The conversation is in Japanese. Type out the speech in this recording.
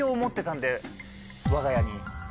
わが家に。